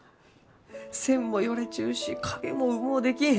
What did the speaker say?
線もよれちゅうし影もうもうできん！